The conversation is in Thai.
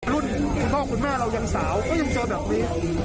คุณพ่อคุณแม่เรายังสาวก็ยังเจอแบบนี้